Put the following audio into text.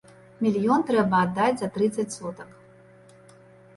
Мільён трэба аддаць за трыццаць сотак.